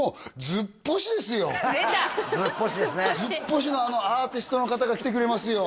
ずっぽしのあのアーティストの方が来てくれますよ